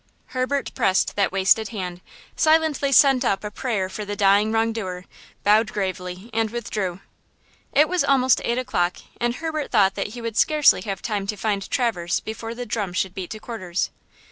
Herbert pressed that wasted hand; silently sent up a prayer for the dying wrong doer, bowed gravely and withdrew. It was almost eight o'clock, and Herbert thought that he would scarcely have time to find Traverse before the drum should beat to quarters.